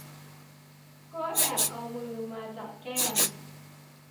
ก็แอบเอามือมาจับแก้ม